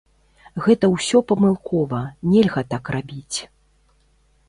Гэта ўсё памылкова, нельга так рабіць.